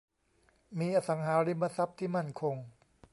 มีอสังหาริมทรัพย์ที่มั่นคง